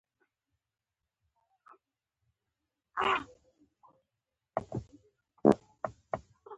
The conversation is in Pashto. تېر ماښام مې چې د محقق، عبدالله او دوستم قوارو ته کتل.